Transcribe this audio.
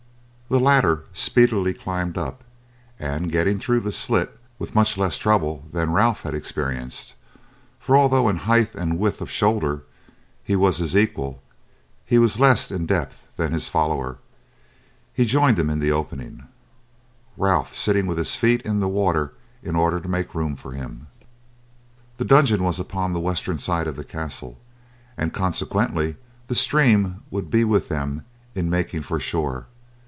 The latter speedily climbed up, and getting through the slit with much less trouble than Ralph had experienced for although in height and width of shoulder he was his equal, he was less in depth than his follower he joined him in the opening; Ralph sitting with his feet in the water in order to make room for him. The dungeon was upon the western side of the castle, and consequently the stream would be with them in making for shore.